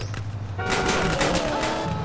あっ今出ました。